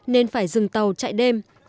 nên phải dừng tàu chạy đêm